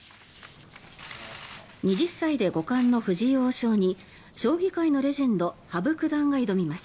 ２０歳で五冠の藤井王将に将棋界のレジェンド羽生九段が挑みます。